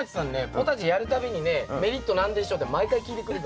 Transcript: ポタジェやる度にねメリット何でしょう？って毎回聞いてくるから。